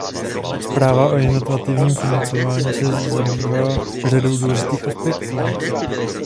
Zpráva o inovativním financování se zabývá řadou důležitých aspektů.